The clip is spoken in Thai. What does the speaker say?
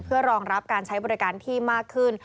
เพื่อรองรับการใช้บริการที่มากขึ้น